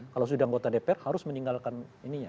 kalau sudah anggota dpr harus meninggalkan ininya